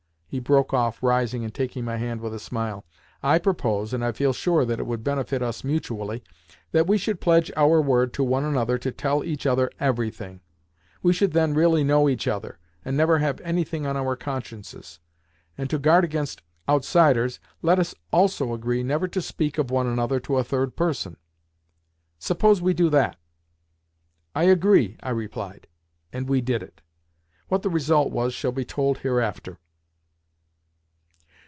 he broke off, rising and taking my hand with a smile. "I propose (and I feel sure that it would benefit us mutually) that we should pledge our word to one another to tell each other everything. We should then really know each other, and never have anything on our consciences. And, to guard against outsiders, let us also agree never to speak of one another to a third person. Suppose we do that?" "I agree," I replied. And we did it. What the result was shall be told hereafter.